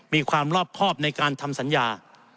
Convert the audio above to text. มีความรอบครอบในการทำสัญญา